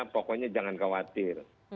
pokoknya jangan khawatir